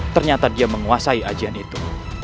ternyata dia menguasai ajian itu